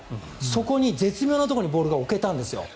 そこに絶妙なところにボールが置けたんですよ。